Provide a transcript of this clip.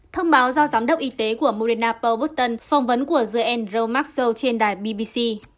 thông báo do giám đốc y tế của moderna paul button phong vấn của j andrew maxwell trên đài bbc